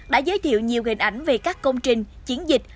đã giới thiệu nhiều hình ảnh về các công trình chiến dịch